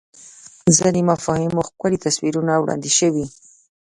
ځینو مفاهیمو ښکلي تصویرونه وړاندې شوي